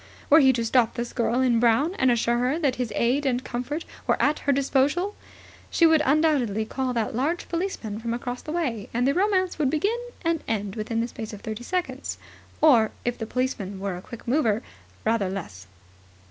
Were he to stop this girl in brown and assure her that his aid and comfort were at her disposal, she would undoubtedly call that large policeman from across the way, and the romance would begin and end within the space of thirty seconds, or, if the policeman were a quick mover, rather less.